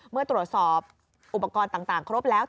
เมื่อตรวจสอบอุปกรณ์ต่างครบแล้ว